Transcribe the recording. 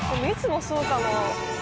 いつもそうかも。